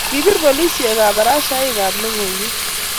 kipir polisek kabarashaik ab lokoiywek